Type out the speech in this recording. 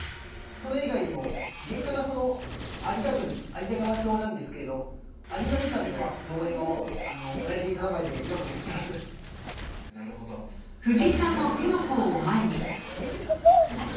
それ以外にも実家が有田郡有田川町なんですけど有田みかんの農園をおやじに頼まれてよくやってますなるほどはい